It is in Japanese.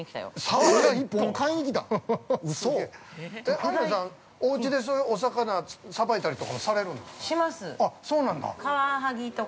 ◆アンナさん、おうちでお魚さばいたりとかもされるんですか？